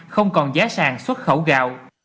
không còn giá sàng xuất khẩu gạo